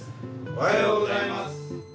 おはようございます。